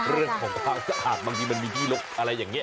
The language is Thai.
เรื่องของความสะอาดบางทีมันมีที่ลกอะไรอย่างนี้